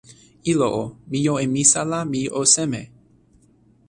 ilo o, mi jo e misa la mi o seme?